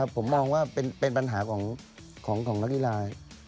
ผมมองว่าเป็นปัญหาของนักกีฬา